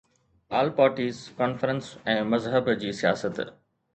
آل Parties Conference ۽ مذهب جي سياست